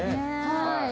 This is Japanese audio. はい。